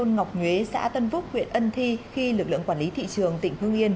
ngọc nhuế xã tân phúc huyện ân thi khi lực lượng quản lý thị trường tỉnh hương yên